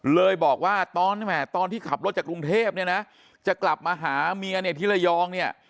เลยบอกว่าตอนที่ขับรถจากกรุงเทพฯจะกลับมาหาเมียที่ระยอง